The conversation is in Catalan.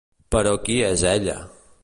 Però qui és ella?